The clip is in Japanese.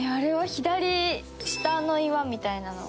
左下の岩みたいなのは？